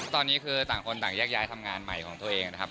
ตอนนี้คือต่างคนต่างแยกย้ายทำงานใหม่ของตัวเองนะครับ